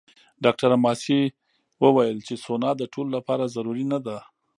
ډاکټره ماسي وویل چې سونا د ټولو لپاره ضروري نه ده.